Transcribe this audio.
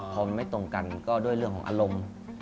พอมันไม่ตรงกันก็ด้วยเรื่องของอารมณ์